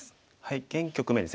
現局面ですね